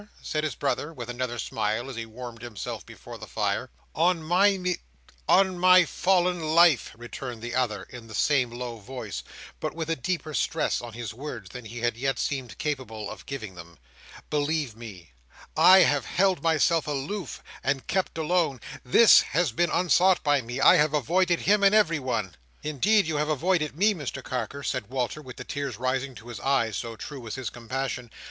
said his brother, with another smile, as he warmed himself before the fire. "On my Me—on my fallen life!" returned the other, in the same low voice, but with a deeper stress on his words than he had yet seemed capable of giving them. "Believe me, I have held myself aloof, and kept alone. This has been unsought by me. I have avoided him and everyone. "Indeed, you have avoided me, Mr Carker," said Walter, with the tears rising to his eyes; so true was his compassion.